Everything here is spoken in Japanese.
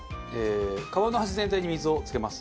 皮の端全体に水をつけます。